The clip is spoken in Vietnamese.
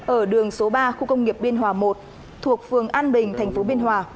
ở đường số ba khu công nghiệp biên hòa i thuộc phường an bình thành phố biên hòa